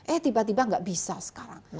eh tiba tiba nggak bisa sekarang